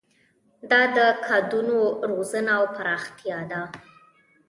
دا د کادرونو روزنه او پراختیا ده.